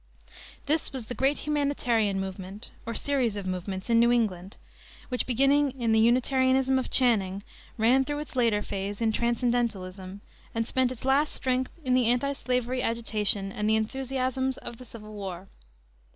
This was the great humanitarian movement, or series of movements, in New England, which, beginning in the Unitarianism of Channing, ran through its later phase in Transcendentalism, and spent its last strength in the antislavery agitation and the enthusiasms of the Civil War.